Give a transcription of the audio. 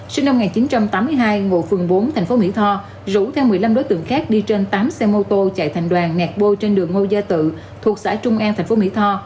sinh năm một nghìn chín trăm tám mươi hai ngụ phường bốn thành phố mỹ tho rủ theo một mươi năm đối tượng khác đi trên tám xe mô tô chạy thành đoàn ngạt bôi trên đường ngô gia tự thuộc xã trung an thành phố mỹ tho